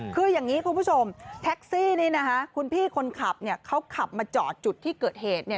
คืออย่างนี้คุณผู้ชมแท็กซี่นี้คุณพี่คนขับเขาขับมาจอดจุดที่เกิดเหตุ